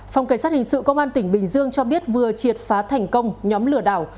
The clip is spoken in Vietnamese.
phòng cảnh sát hình sự công an tỉnh bình dương cho biết vừa triệt phá thành công nhóm lừa đảo